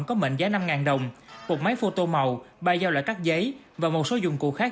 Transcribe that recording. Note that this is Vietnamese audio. có mệnh giá năm đồng một máy phô tô màu ba giao loại cắt giấy và một số dụng cụ khác